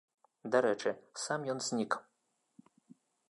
Дарэчы, сам ён знік.